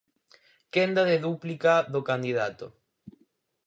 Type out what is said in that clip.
Quenda de dúplica do candidato.